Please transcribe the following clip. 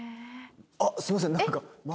あっすいません。